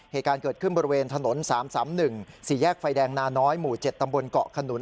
เหตุการณ์เกิดขึ้นบริเวณถนน๓๓๑๔แยกไฟแดงนาน้อยหมู่๗ตำบลเกาะขนุน